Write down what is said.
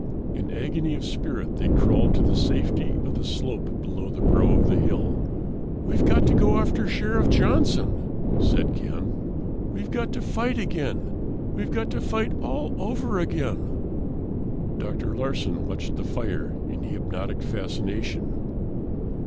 In agony of spirit they crawled to the safety of the slope below the brow of the hill. "We've got to go after Sheriff Johnson," said Ken. "We've got to fight again; we've got to fight all over again!" Dr. Larsen watched the fire in hypnotic fascination.